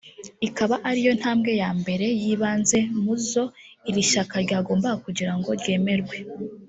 ikaba ariyo ntambwe ya mbere y’ibanze mu zo iri shyaka ryagombaga kugira ngo ryemerwe